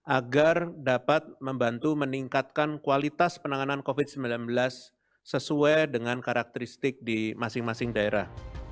agar dapat membantu meningkatkan kualitas penanganan covid sembilan belas sesuai dengan karakteristik di masing masing daerah